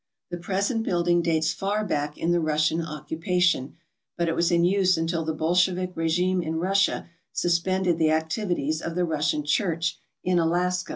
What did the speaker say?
The present building dates far back in the Russian occupation, but it was in use until the Bolshevik regime in Russia sus the activities of the Russian Church in Alaska.